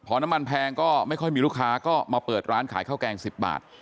พอน้ำมันแพงก็ไม่ค่อยมีลูกค้าก็มาเปิดร้านขายข้าวแกง๑๐บาท